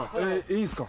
いいんすか？